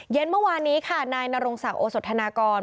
เมื่อวานนี้ค่ะนายนรงศักดิ์โอสธนากร